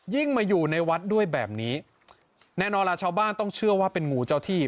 มาอยู่ในวัดด้วยแบบนี้แน่นอนล่ะชาวบ้านต้องเชื่อว่าเป็นงูเจ้าที่